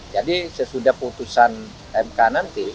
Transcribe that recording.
jadi sesudah putusan mk nanti